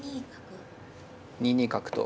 ２二角と。